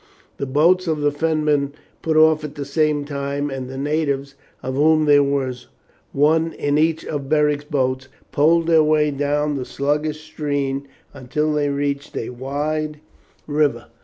The boats of the Fenmen put off at the same time, and the natives, of whom there was one in each of Beric's boats, poled their way down the sluggish stream until they reached a wide river.